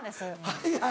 はいはい。